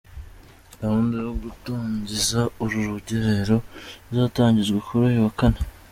Gahunda yo gutangiza uru rugerero izatangizwa kuri uyu wa Kane.